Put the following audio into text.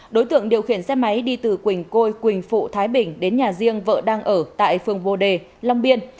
đối tượng điều khiển xe máy đi từ quỳnh côi quỳnh phụ thái bình đến nhà riêng vợ đang ở tại phường bồ đề long biên